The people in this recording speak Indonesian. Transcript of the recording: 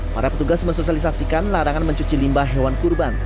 para petugas mensosialisasikan larangan mencuci limbah hewan kurban